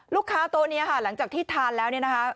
ลูกค้าโตเนี้ยค่ะหลังจากที่ทานแล้วเนี้ยนะคะ